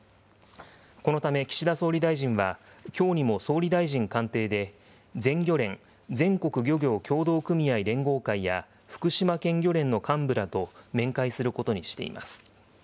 このため岸田総理大臣は、きょうにも総理大臣官邸で、全漁連・全国漁業協同組合連合会や福島県漁連の幹部らと面会することにしています。